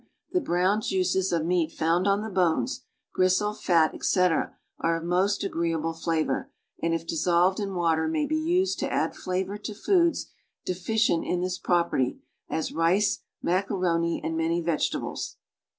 The browned juices of meat found on the bones, gristle, fat, etc., are of most agreeable flavor and if: dissolved in water may be used to add flavor to foods deficient in this property, as rice, macaroni and many 'S'egetaliles.